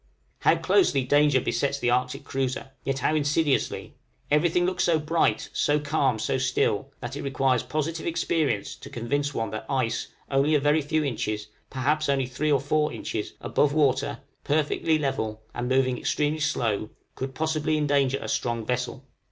How closely danger besets the Arctic cruiser, yet how insidiously; everything looks so bright, so calm, so still, that it requires positive experience to convince one that ice only a very few inches, perhaps only three or four inches, above water, perfectly level, and moving extremely slow, could possibly endanger a strong vessel!